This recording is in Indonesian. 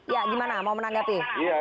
ya gimana mau menanggapi